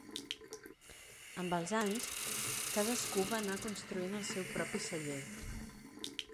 Amb els anys, cadascú va anar construint el seu propi celler.